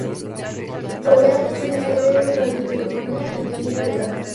Provee a los trenes de radiotelefonía y línea de datos.